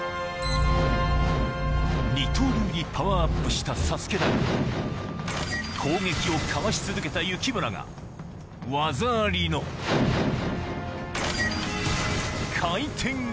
二刀流にパワーアップした佐助だが攻撃をかわし続けた幸村が技ありの回転斬り